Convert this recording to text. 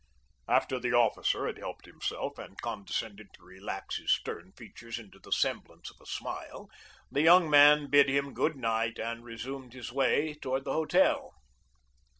After the officer had helped himself and condescended to relax his stern features into the semblance of a smile the young man bid him good night and resumed his way toward the hotel.